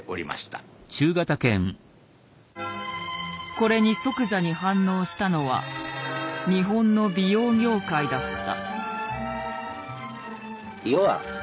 これに即座に反応したのは日本の美容業界だった。